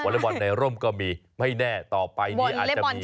เล็กบอลในร่มก็มีไม่แน่ต่อไปนี้อาจจะมี